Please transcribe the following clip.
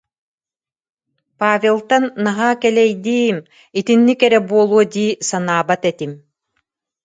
Павелтан наһаа кэлэйди-им, итинник эрэ буолуо дии санаабат этим